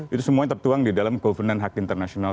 itu semuanya tertuang di dalam kovenant hak internasional